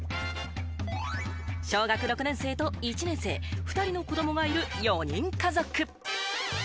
小学６年生と１年生、２人の子供がいる４人家族。